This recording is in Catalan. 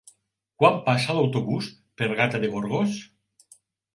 Quan passa l'autobús per Gata de Gorgos?